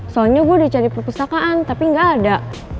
soalnya gue udah cari perpustakaan tapi gak ada